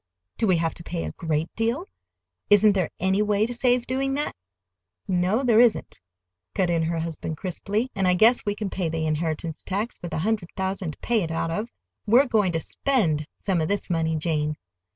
"Do we have to pay a great deal? Isn't there any way to save doing that?" "No, there isn't," cut in her husband crisply. "And I guess we can pay the inheritance tax—with a hundred thousand to pay it out of. We're going to spend some of this money, Jane."